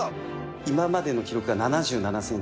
今までの記録が７７センチ。